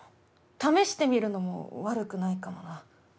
試してみるのも悪くないかもな。